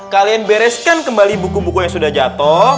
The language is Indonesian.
kalian bereskan kembali buku buku yang sudah jatuh